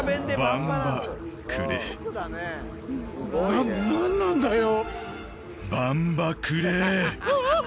な何なんだよ。